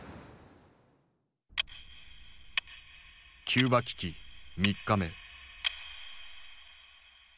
キューバ危機３日目。